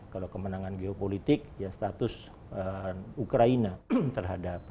kalau kemenangan geopolitik ya status ukraina terhadap